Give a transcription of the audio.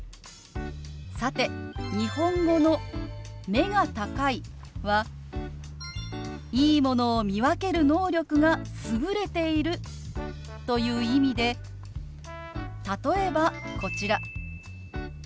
さて日本語の「目が高い」は「いいものを見分ける能力が優れている」という意味で例えばこちら。